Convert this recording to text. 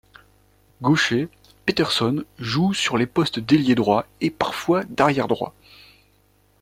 Gaucher, Petersson joue sur les postes d'ailier droit et parfois d'arrière droit.